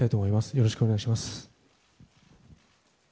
よろしくお願いします。